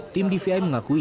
tim dvi mengakui